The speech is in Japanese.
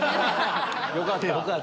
よかった！